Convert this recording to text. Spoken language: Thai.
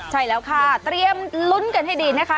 ใช่แล้วค่ะเตรียมลุ้นกันให้ดีนะคะ